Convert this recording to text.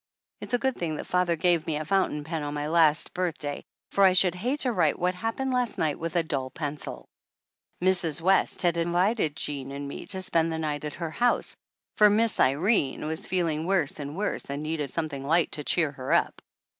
It's a good thing that father gave me a foun tain pen on my last birthday, for I should hate to write what happened last night with a dull pencil. Mrs. West had invited Jean and me to spend the night at her house, for Miss Irene was feel ing worse and worse and needed something light to cheer her up.